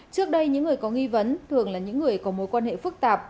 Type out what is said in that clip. trước đây những người có nghi vấn thường là những người có mối quan hệ phức tạp